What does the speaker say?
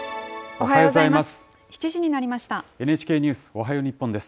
おはようございます。